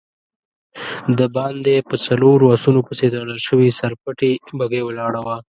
د باندی په څلورو آسونو پسې تړل شوې سر پټې بګۍ ولاړه وه.